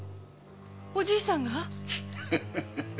おじいさんが？